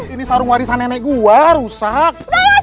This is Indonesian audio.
ini sarung warisan nenek gue rusak